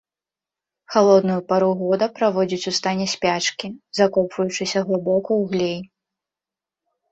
Халодную пару года праводзіць у стане спячкі, закопваючыся глыбока ў глей.